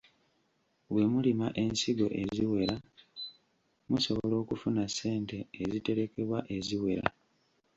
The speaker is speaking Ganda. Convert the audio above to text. Bwe mulima ensigo eziwera, musobola okufuna ssente eziterekebwa eziwera.